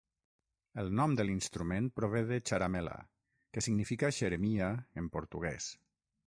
El nom de l'instrument prové de "charamela", que significa xeremia en portuguès.